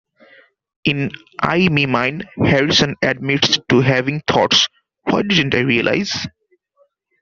In "I Me Mine", Harrison admits to having thought "Why didn't I realise?